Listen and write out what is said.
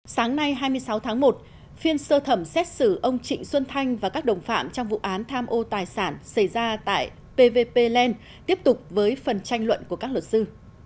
sáng nay hai mươi sáu tháng một phiên sơ thẩm xét xử ông trịnh xuân thanh và các đồng phạm trong vụ án tham ô tài sản xảy ra tại pvp land tiếp tục với phần tranh luận của các luật sư